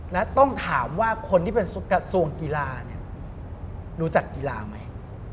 และต้องถามว่าคนที่เป็นกระทรวงกีฬาเนี่ยรู้จักกีฬาไหม